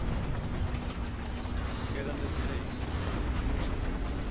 Quedan dezaseis.